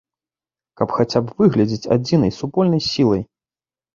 Каб хаця б выглядаць адзінай супольнай сілай.